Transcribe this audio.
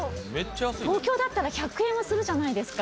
東京だったら１００円はするじゃないですか。